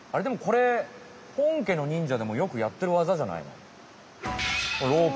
でもこれほんけの忍者でもよくやってるわざじゃないの？